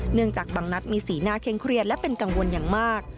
จากบางนัดมีสีหน้าเคร่งเครียดและเป็นกังวลอย่างมาก